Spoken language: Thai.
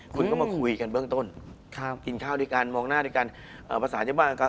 คุณผู้ชมบางท่าอาจจะไม่เข้าใจที่พิเตียร์สาร